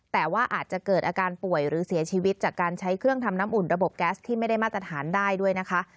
แต่ว่าอาจจะเกิดอาการป่วยหรือเสียชีวิตจากการใช้เครื่องทำน้ำอุ่นระบบแก๊สที่ไม่ได้มาตรฐานได้ด้วยนะคะ